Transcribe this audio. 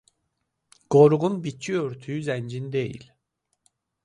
Qoruğun bitki örtüyü zəngin deyil.